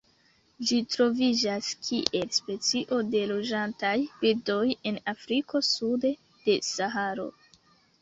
Ĝi troviĝas kiel specio de loĝantaj birdoj en Afriko sude de Saharo.